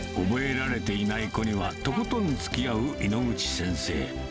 覚えられていない子には、とことんつきあう猪口先生。